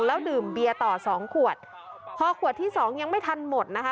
แล้วดื่มเบียร์ต่อสองขวดพอขวดที่สองยังไม่ทันหมดนะคะ